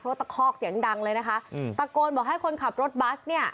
เพราะตะคอกเสียงดังเลยนะคะอืมตะโกนบอกให้คนขับรถบัสเนี่ย